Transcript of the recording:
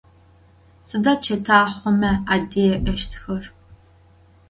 Xeta çetaxhome adê'eştxer?